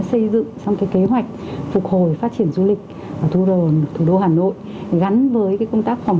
xây dựng xong cái kế hoạch phục hồi phát triển du lịch ở thủ đô hà nội gắn với công tác phòng